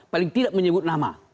paling tidak menyebut nama